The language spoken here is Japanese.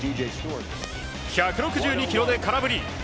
１６２キロで空振り。